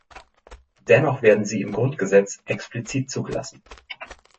Dennoch werden sie im Grundgesetz explizit zugelassen.